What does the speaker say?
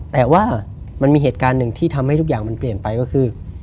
แต่ว่ามันมีเหตุการณ์หนึ่งที่ทำให้ทุกอย่างมันเปลี่ยนไปก็คือ